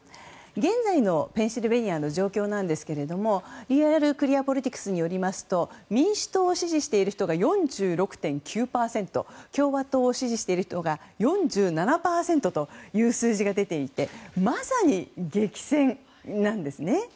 現在のペンシルベニアの状況なんですけれどもリアル・クリア・ポリティクスによりますと民主党を支持している人が４６．９％共和党を支持している人が４７％という数字が出ていてまさに激戦なんですね。